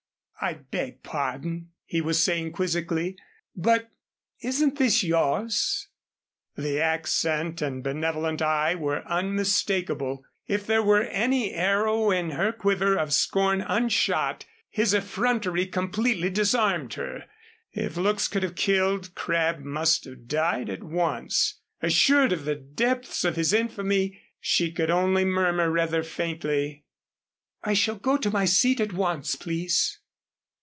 "I beg pardon," he was saying quizzically, "but isn't this yours?" The accent and benevolent eye were unmistakable. If there were any arrow in her quiver of scorn unshot, his effrontery completely disarmed her. If looks could have killed, Crabb must have died at once. Assured of the depths of his infamy, she could only murmur rather faintly: "I shall go to my seat, at once, please."